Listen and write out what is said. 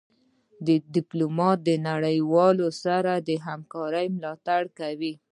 ډيپلومات د نړېوالو سره د همکارۍ ملاتړ کوي.